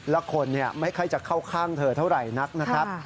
แล้วคนไม่ค่อยจะเข้าข้างเธอเท่าไหร่นักนะครับ